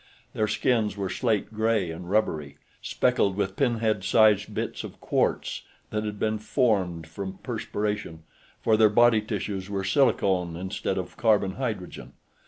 Their skins were slate gray and rubbery, speckled with pinhead sized bits of quartz that had been formed from perspiration, for their body tissues were silicone instead of carbon hydrogen.